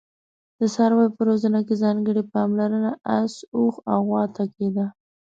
د څارویو په روزنه کې ځانګړي پاملرنه اس، اوښ او غوا ته کېده.